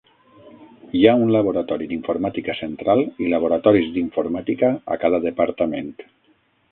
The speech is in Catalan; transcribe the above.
Hi ha un laboratori d'informàtica central i laboratoris d'informàtica a cada departament.